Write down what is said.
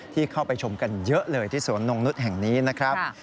ที่เข้าไปชมกันเยอะเลยที่สวนนงนุษย์แห่งนี้นะครับ